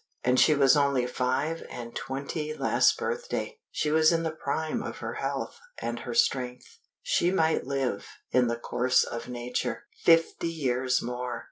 And she was only five and twenty last birthday; she was in the prime of her health and her strength; she might live, in the course of nature, fifty years more!